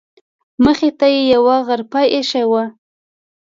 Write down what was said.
مخې ته یې یوه غرفه ایښې وه.